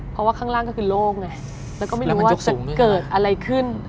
เพราะว่าข้างล่างก็คือโล่งไงแล้วก็ไม่รู้ว่าจะเกิดอะไรขึ้น